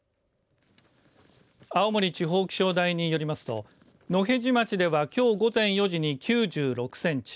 青森地方気象台によりますと野辺地町では、きょう午前４時に９６センチ